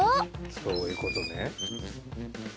そういうことね。